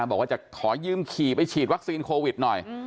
บอกว่าจะขอยืมขี่ไปฉีดวัคซีนโควิดหน่อย